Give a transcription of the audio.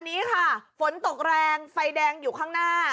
นี้ค่ะฝนตกแรงไฟแดงอยู่ข้างหน้า